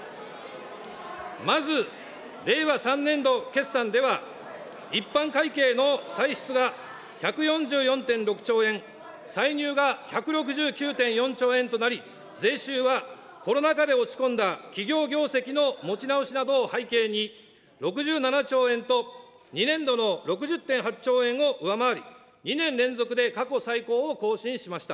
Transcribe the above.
まず令和３年度決算では、一般会計の歳出が１４４．６兆円、歳入が１６９．４兆円となり、税収はコロナ禍で落ち込んだ企業業績の持ち直しなどを背景に、６７兆円と２年度の６０．８兆円を上回り、２年連続で過去最高を更新しました。